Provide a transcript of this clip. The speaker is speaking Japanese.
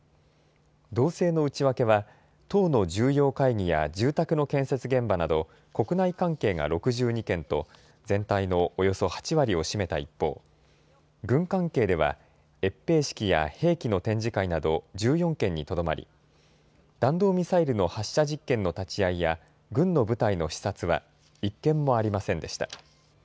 動静の内訳は党の重要会議や住宅の建設現場など国内関係が６２件と全体のおよそ８割を占めた一方、軍関係では閲兵式や兵器の展示会など１４件にとどまり弾道ミサイルの発射実験の立ち会いや軍の部隊の視察は１件もありませんでした。